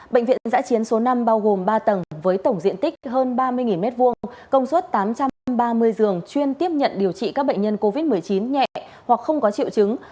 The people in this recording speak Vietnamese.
bệnh viện giã chiến số năm bao gồm ba tầng với tổng diện tích hơn ba mươi m hai công suất tám trăm ba mươi giường chuyên tiếp nhận điều trị các bệnh nhân covid một mươi chín nhẹ hoặc không có triệu chứng